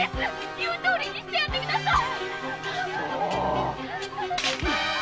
言うとおりにしてやってください。